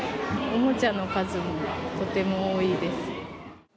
おもちゃの数もとても多いです。